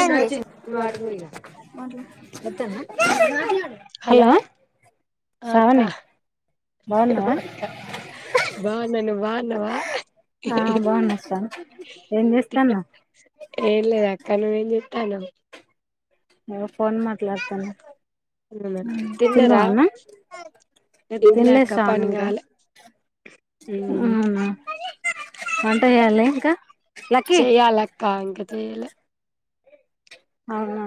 చిన్నొచ్చి వాడిపో ఇగ హలో ఆ అక్క శ్రావణిబాగున్నావా అక్క బాగున్నా నువ్వు బాగున్నావా హా బాగున్నా అక్క ఏం చేస్తాన్నా తను ఏం చెప్తాను ఆ తిన్నరా తిన్నావా అన్నం అలే తినలేదు అక్కా శ్రావణి ఇంకా పనుగాలే అవునా వంట చేయాలా ఇంకా లక్కీ చేయాలి ఉమ్ అక్కా ఇంకా చేయిలే అవునా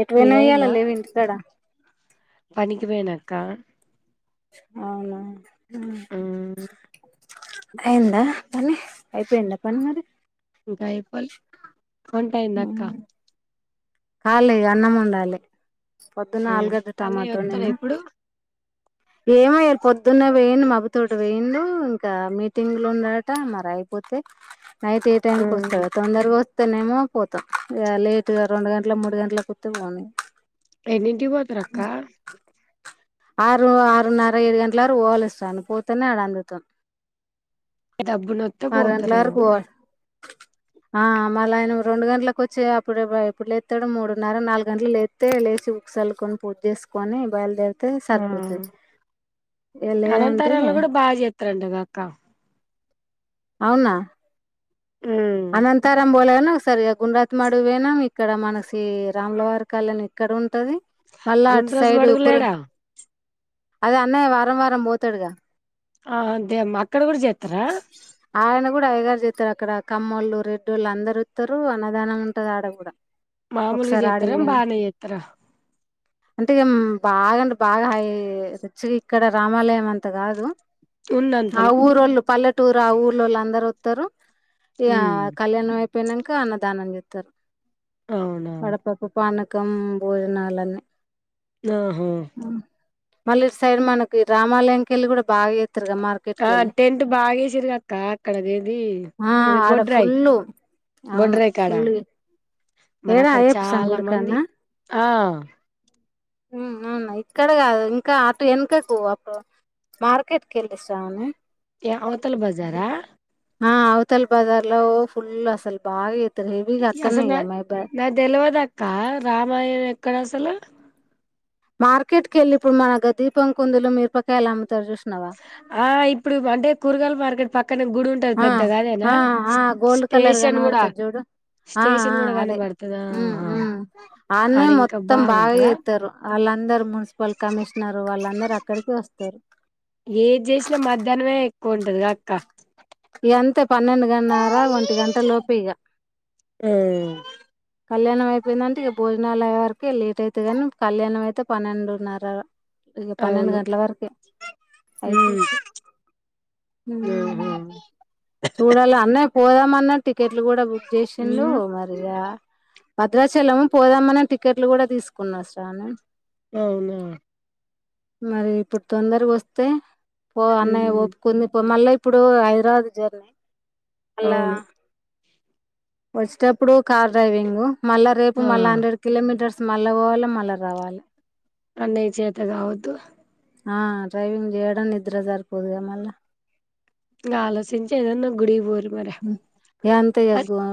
ఎటు పోయినాయ్యాల లేవి ఇంటి కడా పనికివేనా అక్క అవునా ఆమ్ అయిందా పని అయిపోయిందా పని మరి గాయ ఫల్ వంటయింద అక్క కాలేదో అన్నం వండాలి పొద్దున మ్మ్ అల్లగడ్డ అన్నయ్య టమాటో వత్తడా వన్నినా ఇప్పుడు ఏమోయ్యారు పొద్దున్న వేయంండి మబుతోట వేయండు ఇంకా మీటింగ్ లో ఉన్నాడట మరి అయిపోతే నైట్ ఏ టైమ్కి మ్మ్ వస్తవ తొందరగా నేమో పోతాం లేటుగా రెండు గంట ట్లా మూడు గంటల కోతే పోనీ ఎన్నింటి పోతారు అక్క ఆరు ఆరున్నర ఏడు గంటల వరకు పోలు ఇస్తాను పోతేనే ఆడ అందుతాము డబ్బు నొతే పోతారేమో పోవాలి ఆ మళ్ళీ ఆయన రెండు గంటలలకు వచ్చి అప్పుడు ఇప్పుడు లేస్తాడు మూడున్నర నాలుగు గంటలు లేత్తే లేచి ఉకిసలుకొని పూజతి చేసుకొని బయలుదేరుతడు అతే ఆ సరిపోతుంది ఏ లేదంటే పండుగ అక్క అవునా మ్మ్ అనంతరం బోలో ఒకసారి ఇ గుండ్రాత్ మాడు పోయనం ఇక్కడ మన సీ రాములవారి కళ్యాణం ఇక్కడ ఉ ది మళ్ళ అటు గుండ్రాజు సైడ్ మడుగు కురు లేడా అదే అన్నయ్య వారం వారం పోతాడుగా ఆ అదేమ్ అక్కడ కూడా చేత్తరా ఆయన కూడా అయ్యాగారు చెత్తారు అక్కడ కమ్ముళ్ళు రెడ్డోళ్లు అందరు ఇత్తరు అన్నదానం ఉంటది ఆడ కూడా మామూలుగా ఒకసారి చేత్ర ఆడికి పోయినా బానేచేత్ర అంటే ఇ బాగాంటే బాగా హై రిచ్ గా ఇక్కడ రామాలయం అంత కాదు ఆ ఉన్నంతలా ఊరొళ్ళు పల్లెటూరు ఆ ఊర్లోళ్ళు అందరు అ తరు ఇగా ఉమ్ కళ్యాణం వై పోయినంక అన్నదానం చేస్తరు అవునా వడపప్పు పానకు క్కం భోజనాలన్నీ ఆహా మళ్ళీ సైడ్ మనకి రామాలంకెల్ళ కూడా బాగా చే ఆ టెంట్ బాగేసిర్రు క అక్క అక్కడ అదేది అద అక్కడ ఫుల్ అవును ఫుల్ మరి ఏడ అక్కడ అయ్యప్ప స్వామి చాలా మంది గుడికాడనా ఆ అవునా ఇక్కడ కా ఇంకా అటు వెనకకు అప్పుడు మార్కెట్కి వెళ్లిస్తామని ఏ అఔతల బజారా ఆ అవతల్ బజార్ లో ఫుల్ అసలు బాగా ఇ హెవిగా అసలు అక్కన్నే ఇగా మయి నా తెల్వదక్క రామయణ ఎక్కడ అసలు మార్కెట్ కెళ్ళలి ఇప్పుడు మన గ దీపం కుందులో మిరపకాయల ఆ ఇప్పుడు అంటే కూరగాయలు మార్కెట్ పక్కన గుడి ఉంటది ఆ పెద్దగా అదేనా ఆ గోల్డ్ కలర్ కన స్టేషన్ కూడా పడతది చూడు ఆ స్టేషన్ ఆ కూడా అదే కనబడుతదా ఆహా ఆన్నే ఆడ ఇంకా మొత్తం బాగా బాగుంటదా చెస్తారు వాళ్ళందరూ మున్సిపల్ కమిషనర్ వాళ్ళందరుూ అక్కడికే వస్తారు ఏది చేసినా మధ్యాహ్నమే ఎక్కువ ఉంటది క్క ఎంత పన్నెండు గన్నార ఒంటి గంట లోపేగా ఆ కళ్యాణం అయిపోయిందంటే ఇగా భోజనాలు అయ్యేవరకు లేట్ అయితే కానీ కళ్యాణం అయితే పన్నెండున్నర ఇగా పన్నెండు అవును గంటల వరకే అయిపోతే ఆహా ఉం చూడాల అన్నయ్య పోదాం అన్నట్టు టికెట్లు కూడా బుక్ చేసిండు ఉమ్ మరిగా భద్రాచలము పోదామని టికెట్లు కూడా తీసుకున్నా శ్రావణి అవునా మరి ఇప్పుడు తొందరగా వస్తే పో అన్నయ [unintelligible] ఉమ్ ఒప్పుకుంది మళ్ల ఇప్పుడు హైదరాబాద్ జర్నీ [inaudible] అలా అవును వచ్చేటప్పు ఇప్పుడు కార్ డ్రైవింగ్ మళ్ళా రేపు ఆ మళ్ళా హండ్రెడ్ కిలోమీటర్స్ మళ్ళ పోవాలే మళ్ళా రావాలి అన్నయ చేతగావద్దు ఆ డ్రైవింగ్ చేయడం నిద్ర సరిపోదుగా మళ్ళా ఆలోచించి ఏదన్నా గుడికి పోరి మరి ఇక అంతే